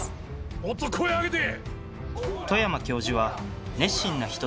もっと声あげて！